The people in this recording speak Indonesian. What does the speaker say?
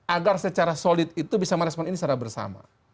agar secara solid itu bisa merespon ini secara bersama